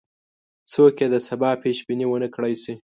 څوک یې د سبا پیش بیني ونه کړای شي.